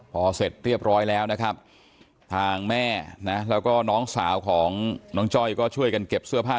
พอเสร็จเรียบร้อยแล้วนะครับทางแม่นะแล้วก็น้องสาวของน้องจ้อยก็ช่วยกันเก็บเสื้อผ้า